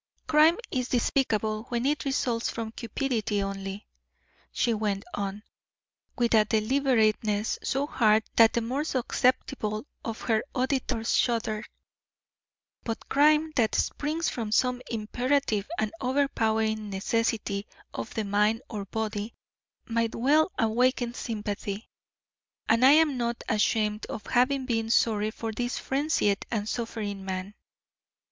"Crime is despicable when it results from cupidity only," she went on, with a deliberateness so hard that the more susceptible of her auditors shuddered. "But crime that springs from some imperative and overpowering necessity of the mind or body might well awaken sympathy, and I am not ashamed of having been sorry for this frenzied and suffering man.